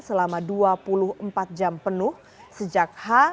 selama dua puluh empat jam penuh sejak h